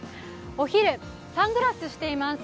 お昼、サングラスしています。